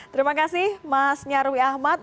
terima kasih mas nyarwi ahmad